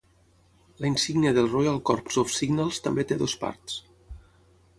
La insígnia del Royal Corps Of Signals també té dues parts.